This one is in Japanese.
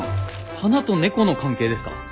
花と猫の関係ですか？